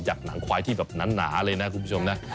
หนังควายที่แบบหนาเลยนะคุณผู้ชมนะ